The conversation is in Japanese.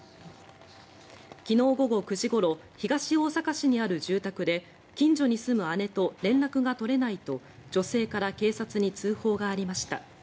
昨日午後９時ごろ東大阪市にある住宅で近所に住む姉と連絡が取れないと女性から警察に通報がありました。